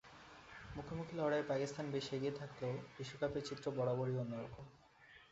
মুখোমুখি লড়াইয়ে পাকিস্তান বেশ এগিয়ে থাকলেও বিশ্বকাপের চিত্র বরাবরই অন্য রকম।